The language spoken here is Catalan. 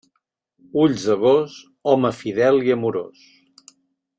Ulls de gos, home fidel i amorós.